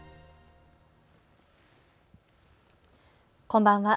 こんばんは。